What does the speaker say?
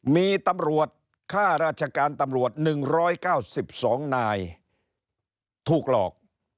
มีตำรวจค่าราชการตำรวจ๑๙๒นายถูกหลอก